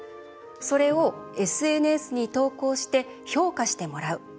それをＳＮＳに投稿して評価してもらう。